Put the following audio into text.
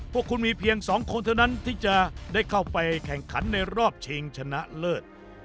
พวกคุณมีเพียง๒คนเท่านั้นที่จะได้เข้าไปแข่งขันในรอบชิงชนะเลิศ